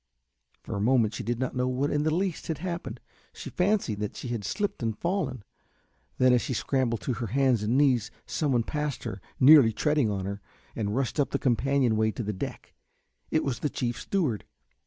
For a moment she did not know in the least what had happened. She fancied she had slipped and fallen, then, as she scrambled on to her hands and knees, someone passed her, nearly treading on her, and rushed up the companion way to the deck. It was the chief steward.